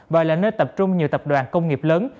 nên tập trung nhiều tập đoàn công nghiệp lớn